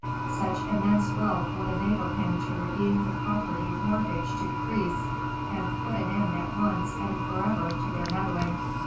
Such immense wealth would enable him to redeem the property mortgaged to the priests, and put an end at once and forever to their meddling."